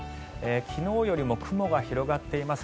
昨日よりも雲が広がっています。